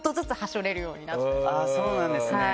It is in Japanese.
そうなんですね！